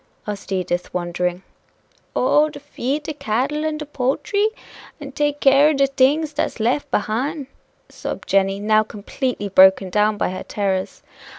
asked Edith, wondering. "Oh! to feed de cattle and de poultry? and take care o' de things dat's lef behine," sobbed Jenny, now completely broken down by her terrors.